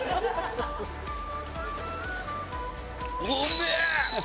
うめえ！